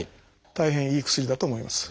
大変いい薬だと思います。